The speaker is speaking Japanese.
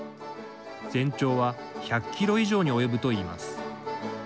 全長は１００キロ以上に及ぶといいます。